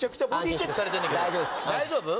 大丈夫？